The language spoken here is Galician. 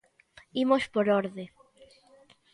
Imos por orde.